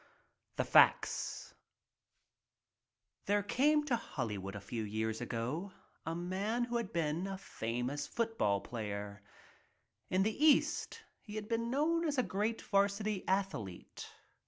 The facts : There came to Hollywood a few years ago a man who had once been a famous football player. In the East he had been known as a great varsity athlete.